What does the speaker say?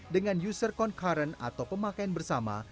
dengan user concurrent atau pemakaian bersama